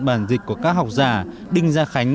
bản dịch của các học giả đinh gia khánh